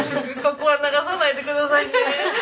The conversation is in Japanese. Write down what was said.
ここは流さないでくださいね。